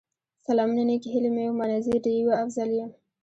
سلامونه نیکې هیلې مې ومنئ، زه ډيوه افضل یم